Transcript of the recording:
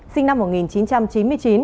sinh năm một nghìn chín trăm chín mươi chín